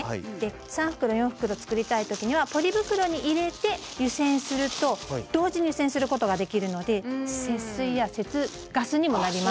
３袋４袋作りたい時にはポリ袋に入れて湯煎すると同時に湯煎することができるので節水や節ガスにもなります。